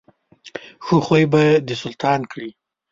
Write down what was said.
ښه خوی به دې سلطان کړي.